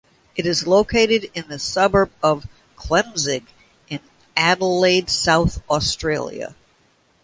It is located in the suburb of Klemzig in Adelaide, South Australia.